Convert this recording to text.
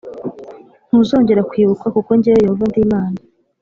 Ntuzongera kwibukwa kuko jyewe yehova ndimana